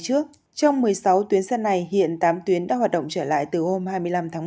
trước trong một mươi sáu tuyến xe này hiện tám tuyến đã hoạt động trở lại từ hôm hai mươi năm tháng một mươi